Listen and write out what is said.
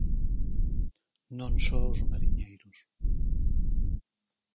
Non só os mariñeiros.